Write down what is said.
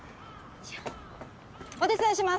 お手伝いします！